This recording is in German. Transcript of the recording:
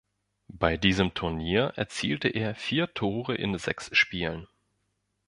Bei diesem Turnier erzielte er vier Tore in sechs Spielen.